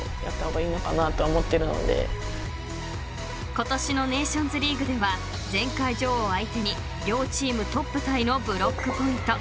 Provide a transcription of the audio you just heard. ［今年のネーションズリーグでは前回女王相手に両チームトップタイのブロックポイント］